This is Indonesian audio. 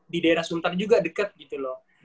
di daerah suntar juga deket gitu loh